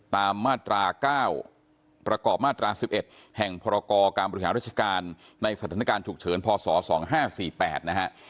มาตรา๙ประกอบมาตรา๑๑แห่งพรกรการบริหารราชการในสถานการณ์ฉุกเฉินพศ๒๕๔๘นะฮะ